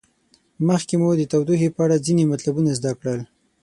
مخکې مو د تودوخې په اړه ځینې مطلبونه زده کړل.